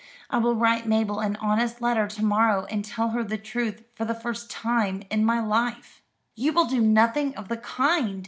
I will write Mabel an honest letter to morrow, and tell her the truth for the first time in my life." "You will do nothing of the kind!"